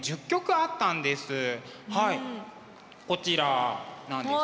はいこちらなんですね。